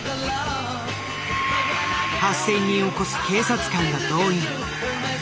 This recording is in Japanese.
８，０００人を超す警察官が動員。